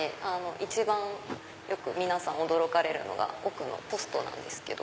一番よく皆さん驚かれるのが奥のポストなんですけど。